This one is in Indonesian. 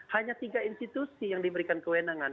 hanya tiga institusi yang diberikan kewenangan